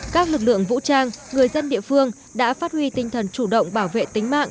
các lực lượng vũ trang người dân địa phương đã phát huy tinh thần chủ động bảo vệ tính mạng